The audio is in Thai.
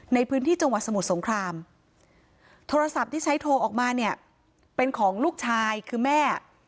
ในพื้นที่จังหวัดสมุทรสงครามโทรศัพท์ที่ใช้โทรออกมาเนี่ยเป็นของลูกชายคือแม่